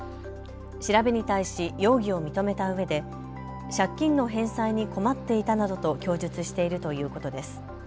調べに対し容疑を認めたうえで借金の返済に困っていたなどと供述しているということです。